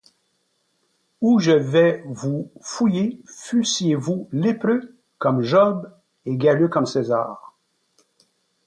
Ou je vais vous fouiller, fussiez-vous lépreux comme Job et galeux comme César!